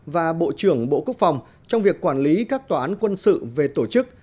và bộ trưởng bộ quốc phòng trong việc quản lý các tòa án quân sự về tổ chức